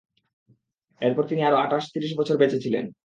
এরপর তিনি আরো আটশ ত্রিশ বছর বেঁচে ছিলেন।